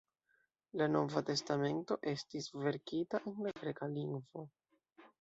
La Nova Testamento estis verkita en la greka lingvo.